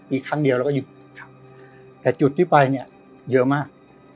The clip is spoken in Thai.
อีกครั้งเดียวแล้วก็หยุดครับแต่จุดที่ไปเนี่ยเยอะมาก